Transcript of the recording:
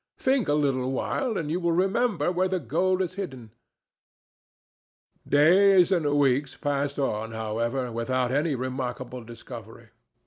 Think a little while, and you will remember where the gold is hidden." Days and weeks passed on, however, without any remarkable discovery.